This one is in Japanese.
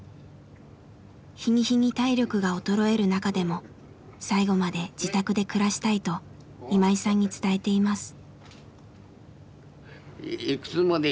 日に日に体力が衰える中でも最期まで自宅で暮らしたいと今井さんに伝えています。